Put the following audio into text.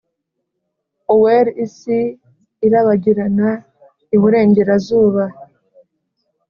o'er isi irabagirana iburengerazuba